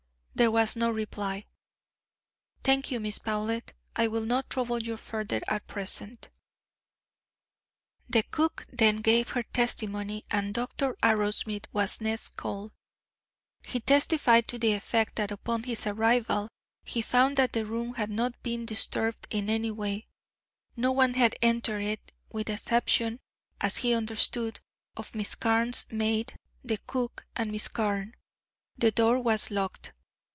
There was no reply. "Thank you, Miss Powlett. I will not trouble you further at present." The cook then gave her testimony, and Dr. Arrowsmith was next called. He testified to the effect that upon his arrival he found that the room had not been disturbed in any way; no one had entered it with the exception, as he understood, of Miss Carne's maid, the cook, and Mr. Carne. The door was locked.